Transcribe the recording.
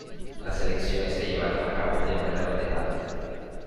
Las elecciones se llevaron a cabo de manera ordenada.